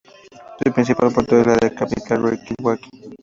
Sus principal puerto es el de la capital Reikiavik.